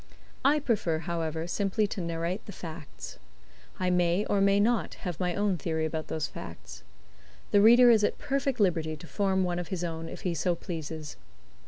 I prefer, however, simply to narrate the facts. I may or may not have my own theory about those facts. The reader is at perfect liberty to form one of his own if he so pleases.